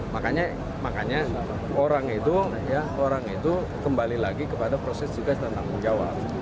makanya orang itu kembali lagi kepada proses tugas dan tanggung jawab